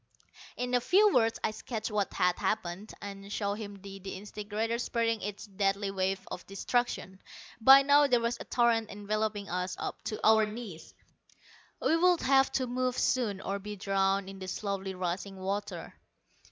In a few words I sketched what had happened, and showed him the disintegrator spreading its deadly waves of destruction. By now there was a torrent enveloping us up to our knees. We would have to move soon, or be drowned in the slowly rising water.